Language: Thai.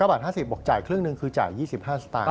บาท๕๐บอกจ่ายครึ่งหนึ่งคือจ่าย๒๕สตางค